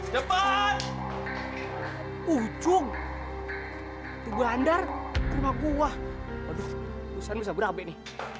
cepat ujung tugul andar rumah gua udah usah usah berapa ini